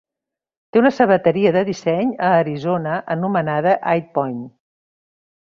Té una sabateria de disseny a Arizona anomenada High Point.